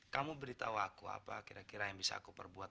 kamu beritahu aku apa kira kira yang bisa aku perbuat